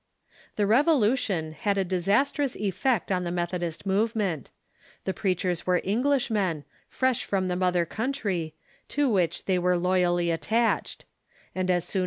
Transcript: The Revolution had a disastrous effect on the Methodist movement. The preachers Avere Englishmen, fresh from the mother country, to which they AA'ere loyally attached ; and as * Daniels, " History of Methodism "( N.